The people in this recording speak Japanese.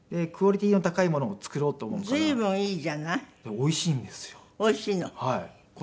おいしいの？